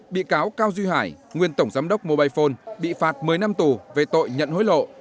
bị cáo cao duy hải nguyên tổng giám đốc mobile phone bị phạt một mươi năm tù về tội nhận hối lộ